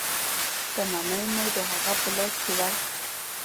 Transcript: شتمنۍ مو د هغه په لاس کې ورکړې.